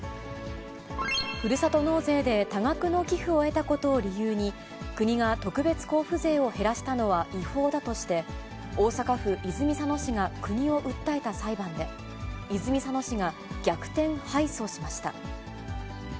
ふるさと納税で多額の寄付を得たことを理由に、国が特別交付税を減らしたのは違法だとして、大阪府泉佐野市が国を訴えた裁判で、泉佐野市が逆転敗訴しました。